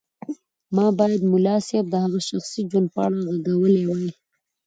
ما بايد ملا صيب د هغه شخصي ژوند په اړه راغږولی وای.